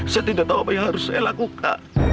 saya tidak tahu apa yang harus saya lakukan